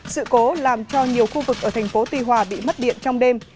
sự cố làm cho nhiều khu vực ở thành phố tuy hòa bị mất điện trong đêm